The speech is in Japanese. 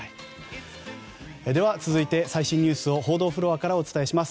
では続いて、最新ニュースを報道フロアからお伝えします。